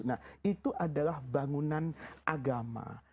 nah itu adalah bangunan agama